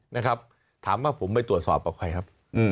ถามว่าผมไปตรวจสอบกับใครครับ